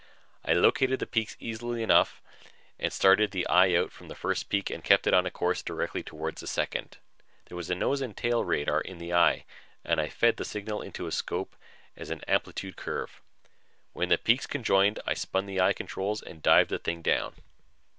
I located the peaks easily enough and started the eye out from the first peak and kept it on a course directly toward the second. There was a nose and tail radar in the eye and I fed their signals into a scope as an amplitude curve. When the two peaks coincided, I spun the eye controls and dived the thing down.